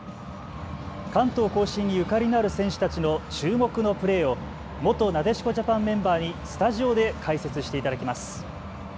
関東甲信にゆかりのある選手たちの注目のプレーを元なでしこジャパンメンバーにスタジオで解説していただきます。